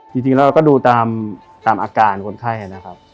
จริงแล้วก็ดูตามอาการคนไข้นะครับ